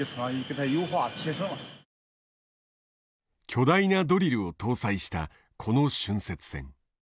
巨大なドリルを搭載したこの浚渫船。